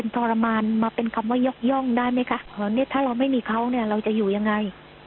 ถ้าเราไม่มีเขาเนี่ยเราจะอยู่ยังไง